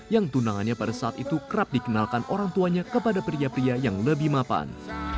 yang tunangannya pada saat itu kerap dikenalkan orang tuanya kepada pria pria yang lebih mapan